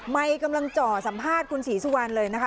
กำลังจ่อสัมภาษณ์คุณศรีสุวรรณเลยนะคะ